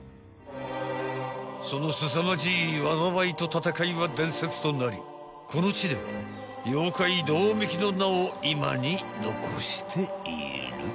［そのすさまじい災いと戦いは伝説となりこの地では妖怪百目鬼の名を今に残している］